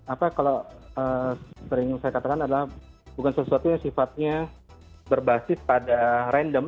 apa kalau sering saya katakan adalah bukan sesuatu yang sifatnya berbasis pada random